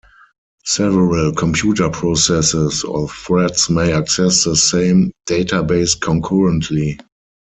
Several computer processes or threads may access the same database concurrently.